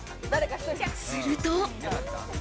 すると。